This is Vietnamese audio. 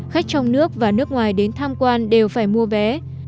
khách trong nước và nước ngoài đến tham quan đều phải mua vé